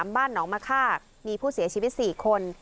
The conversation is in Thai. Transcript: บ้านหนองมะค่ามีผู้เสียชีวิต๔คน